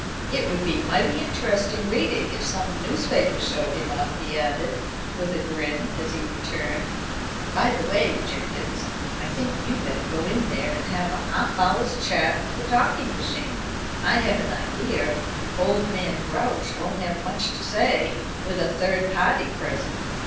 "It would be mighty interesting reading if some newspaper showed him up," he added, with a grin, as he returned. "By the way, Jenkins, I think you'd better go in there and have a half hour's chat with the talking machine. I have an idea old man Grouch won't have much to say with a third party present.